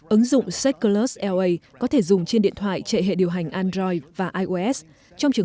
ứng dụng syclus la có thể dùng trên điện thoại chạy hệ điều hành android và ios trong trường